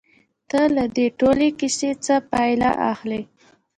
ته له دې ټولې کيسې څه پايله اخلې؟